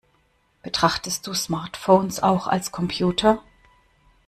Betrachtest du Smartphones auch als Computer?